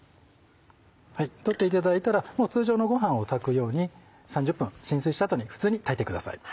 取っていただいたらもう通常のご飯を炊くように３０分浸水した後に普通に炊いてください。